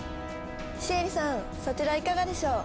シエリさんそちらいかがでしょう？